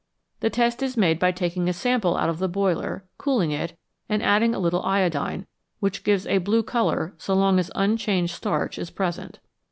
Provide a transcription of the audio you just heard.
The test is made by taking a sample out of the boiler, cooling it, and adding a little iodine, which gives a blue colour so long as unchanged starch is present.